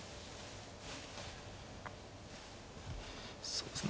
そうですね。